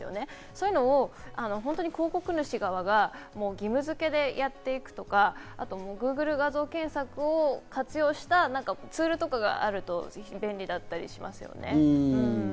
そういうのを広告主側が義務付けでやっていくとか、Ｇｏｏｇｌｅ画像検索を活用したツールとかがあると便利だったりしますよね。